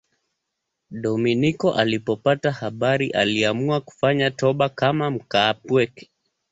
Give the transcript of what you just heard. Dominiko alipopata habari aliamua kufanya toba kama mkaapweke.